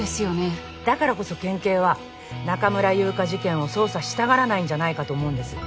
だからこそ県警は中村優香事件を捜査したがらないんじゃないかと思うんです。